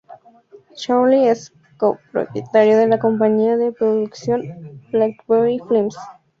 Charlie es co-propietario de la compañía de producción "Blackberry Films".